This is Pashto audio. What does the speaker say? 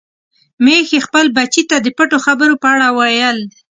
ميښې خپل بچي ته د پټو خبرو په اړه ویل.